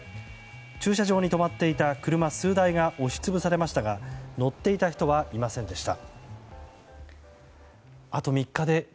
駐車場に止まっていた車数台が押し潰されましたが乗っていた人はいませんでした。